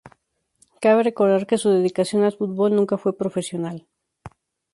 Cabe recordar que su dedicación al fútbol nunca fue profesional.